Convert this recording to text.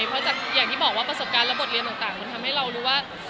เพราะยังที่บอกว่าประสบการณ์และบทเรียนทำให้ลูกว่า